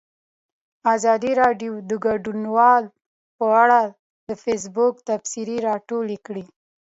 ازادي راډیو د کډوال په اړه د فیسبوک تبصرې راټولې کړي.